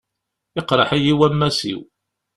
Iqṛeḥ-iyi wammas-iw.